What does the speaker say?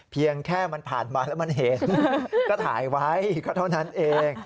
เพียงแค่มันผ่านมาแล้วมันเห็นก็ถ่ายไว้ก็เท่านั้นเอง